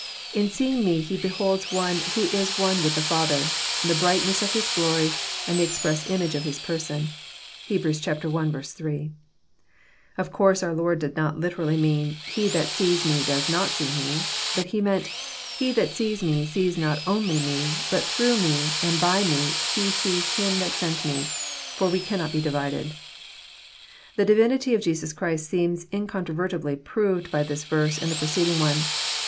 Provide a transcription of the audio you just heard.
In seeing Me he beholds one who is one with the Father, the brightness of His glory, and the express image of His Person." (Heb. i. 8.) Of course our Lord did not literally mean, *' He that sees Me does not see Me." But He meant, '* He that sees Me sees not only Me, but through Me and by Me he sees Him that sent Me, for we cannot be divided." The divinity of Jesus Christ seems incontrovertibly proved by this verse and the preceding one.